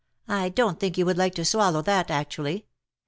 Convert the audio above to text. " I don't think you would like to swallow that actually.